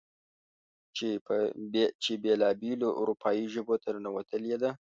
چې بېلا بېلو اروپايې ژبو ته ننوتلې ده.